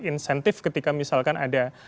insentif ketika misalkan ada